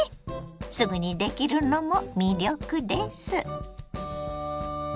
すぐにできるのも魅力です。